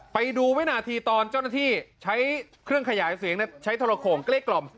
ไปดูวินาทีตอนเจ้าหน้าที่ใช้เครื่องขยายเสียงใช้โทรโขงเกลี้กล่อม